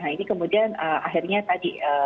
ini kemudian akhirnya tadi